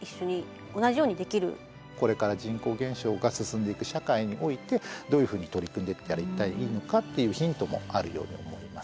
これから人口減少が進んでいく社会においてどういうふうに取り組んでいったら一体いいのかっていうヒントもあるように思います。